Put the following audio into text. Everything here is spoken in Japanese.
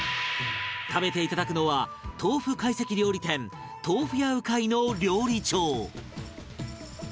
食べていただくのは豆腐懐石料理店とうふ屋うかいの料理長